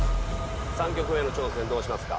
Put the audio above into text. ３曲目の挑戦どうしますか？